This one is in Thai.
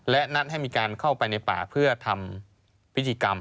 และนัดให้มีการเข้าไปในป่าเพื่อทำพิธีกรรม